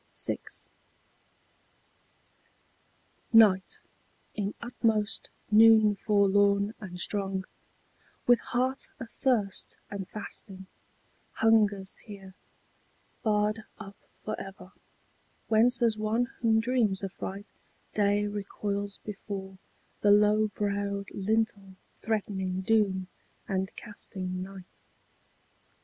VI. Night, in utmost noon forlorn and strong, with heart athirst and fasting, Hungers here, barred up for ever, whence as one whom dreams affright Day recoils before the low browed lintel threatening doom and casting Night.